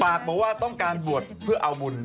บอกว่าต้องการบวชเพื่อเอาบุญ